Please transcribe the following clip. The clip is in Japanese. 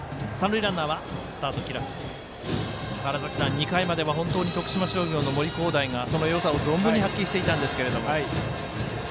２回までは本当に徳島商業の森煌誠がそのよさを存分に発揮していたんですけど。